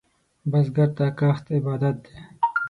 بزګر ته کښت عبادت دی